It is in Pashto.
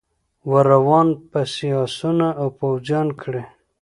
ور روان پسي آسونه او پوځیان کړی